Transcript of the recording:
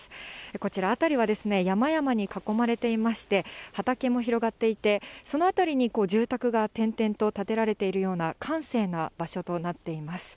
こちら、辺りは山々に囲まれていまして、畑も広がっていて、その辺りに住宅が点々と建てられているような閑静な場所となっています。